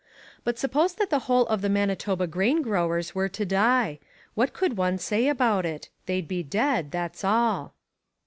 But suppose that the whole of the Manitoba Grain Growers were to die. What could one say about it? They'd be dead, that's all.